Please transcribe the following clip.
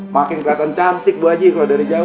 makin keliatan cantik bu haji kalau dari jauh